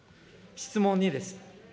質問２です。